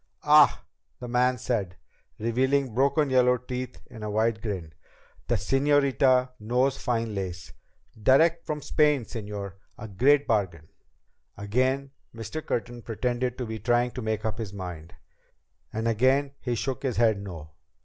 "Ah," the man said, revealing broken yellow teeth in a wide grin. "The señorita knows fine lace. Direct from Spain, señor! A great bargain." Again Mr. Curtin pretended to be trying to make up his mind. And again he shook his head no.